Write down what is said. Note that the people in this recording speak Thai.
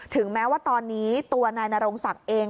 ถึงแม้ว่าตอนนี้ตัวนายนรงศักดิ์เอง